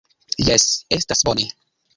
Jes, estas bone.